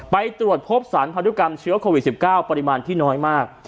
ไปตรวจพบสารพันธุกรรมเชื้อโควิด๑๙ปริมาณที่น้อยมาก